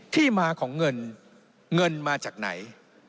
ที่มาของเงินเงินมาจากไหน